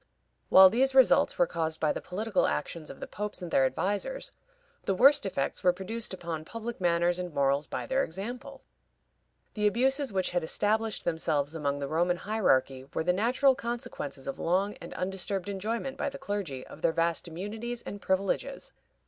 While these results were caused by the political actions of the popes and their advisers, the worst effects were produced upon public manners and morals by their example. The abuses which had established themselves among the Roman hierarchy were the natural consequences of long and undisturbed enjoyment by the clergy of their vast immunities and privileges.